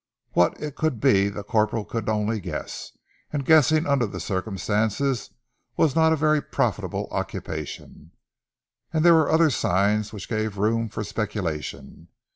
What it could be the corporal could only guess, and guessing under the circumstances was not a very profitable occupation. And there were other signs which gave room for speculation.